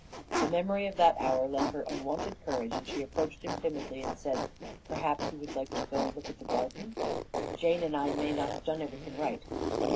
The memory of that hour lent her unwonted courage, and she approached him timidly and said, "Perhaps you would like to go and look at the garden? Jane and I may not have done everything right."